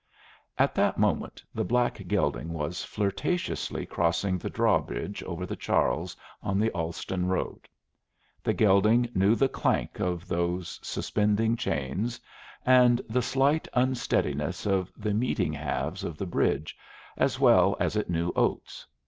At that moment the black gelding was flirtatiously crossing the drawbridge over the Charles on the Allston Road. The gelding knew the clank of those suspending chains and the slight unsteadiness of the meeting halves of the bridge as well as it knew oats.